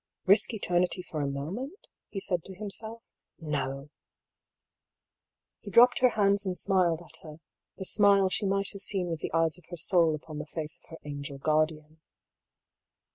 " Risk eternity for a moment?" he said to himself. « No !" He dropped her hands and smiled at her, the smile she might have seen with the eyes of her soul upon the face of her angel guardian.